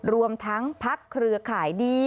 รวมทั้งพักเครือข่ายดี